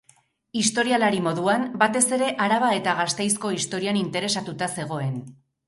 Historialari moduan, batez ere Araba eta Gasteizko historian interesatuta zegoen.